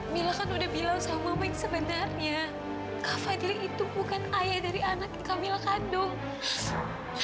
mila kan sudah bilang sama mama yang sebenarnya kak fadil itu bukan ayah dari anak kak mila kandung